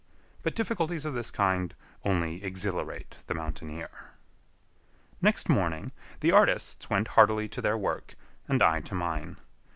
But difficulties of this kind only exhilarate the mountaineer. Next morning, the artists went heartily to their work and I to mine.